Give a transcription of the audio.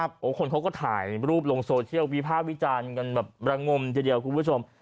โอ้โหคนเขาก็ถ่ายรูปลงโซเชียลวิภาควิจารณ์กันแบบระงมทีเดียวคุณผู้ชม